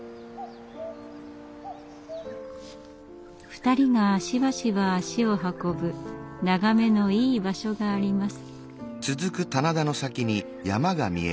２人がしばしば足を運ぶ眺めのいい場所があります。